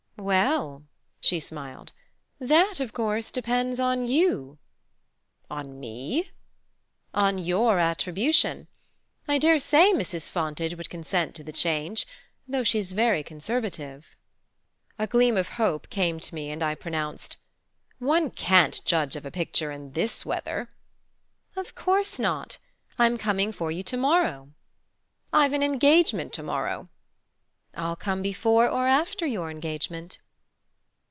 "Well" she smiled "that, of course, depends on you." "On me?" "On your attribution. I dare say Mrs. Fontage would consent to the change though she's very conservative." A gleam of hope came to me and I pronounced: "One can't judge of a picture in this weather." "Of course not. I'm coming for you to morrow." "I've an engagement to morrow." "I'll come before or after your engagement."